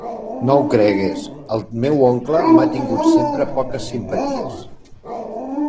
No ho cregues. El meu oncle m'ha tingut sempre poques simpaties